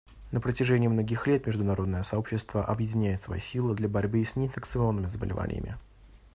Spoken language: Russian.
На протяжении многих лет международное сообщество объединяет свои силы для борьбы с неинфекционными заболеваниями.